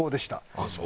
ああそう！